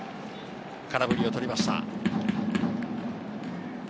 空振りを取りました。